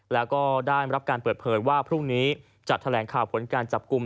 แล้วก็ได้รับการเปิดเผยว่าพรุ่งนี้จะแถลงข่าวผลการจับกลุ่ม